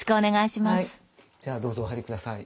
じゃあどうぞお入り下さい。